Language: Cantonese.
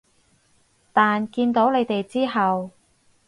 但見到你哋之後